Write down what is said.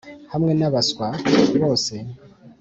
'hamwe nabaswa. bose